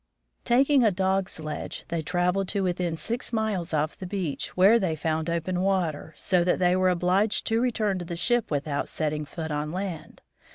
Taking a dog sledge, they traveled to within six miles of the beach, where they found open water, so that they were obliged to return to the ship with out setting foot on land.